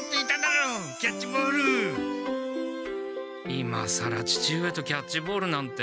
今さら父上とキャッチボールなんて。